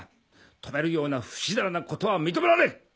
泊めるようなふしだらなことは認められん！